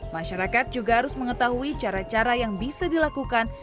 masyarakat juga harus mengetahui cara cara yang bisa dilakukan